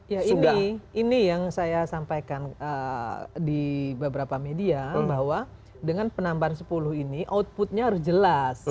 ya ini ini yang saya sampaikan di beberapa media bahwa dengan penambahan sepuluh ini outputnya harus jelas